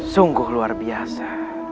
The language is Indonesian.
sungguh luar biasa